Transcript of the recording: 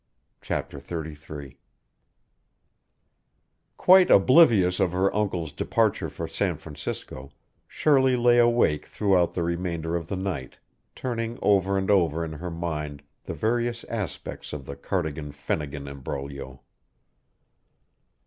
CHAPTER XXXIII Quite oblivious of her uncle's departure for San Francisco, Shirley lay awake throughout the remainder of the night, turning over and over in her mind the various aspects of the Cardigan Fennington imbroglio.